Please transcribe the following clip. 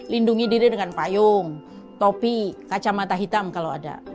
lindungi diri dengan payung topi kacamata hitam kalau ada